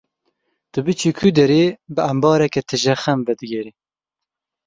Tu biçî ku derê, bi embareke tije xem vedigerî.